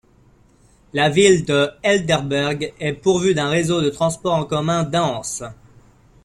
La ville de Heidelberg est pourvue d'un réseau de transports en commun dense.